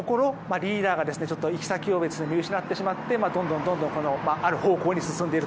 リーダーが行き先を見失ってしまってどんどんある方向に進んでいる。